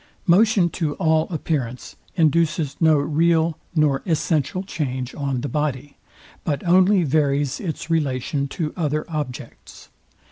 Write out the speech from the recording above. Motion to all appearance induces no real nor essential change on the body, but only varies its relation to other objects.